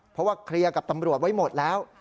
เพราะว่าเคลียร์กับตำรวจไว้หมดแล้ว